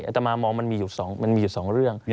อาจจะมามองมันมีอยู่๒เรื่อง